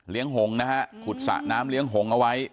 หงนะฮะขุดสระน้ำเลี้ยงหงเอาไว้